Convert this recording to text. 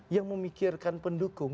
yang memikirkan pendukung